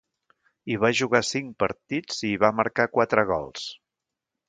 Hi va jugar cinc partits, i hi va marcar quatre gols.